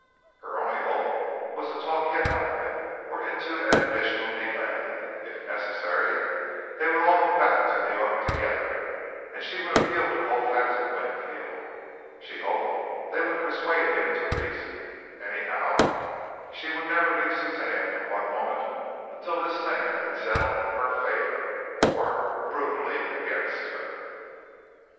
Her only hope was to talk him out of it, or into an additional delay. If necessary, they would all go back to New York together and she would appeal to Colfax and Winfield. She hoped they would persuade him to reason. Anyhow, she would never leave Suzanne for one moment until this thing had been settled in her favor, or brutally against her.